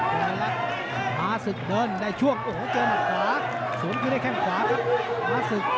สูงที่ได้แค่หนักขวาครับภาษึก